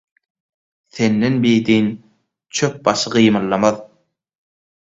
Senden bidin çöp başy gymyldamaz.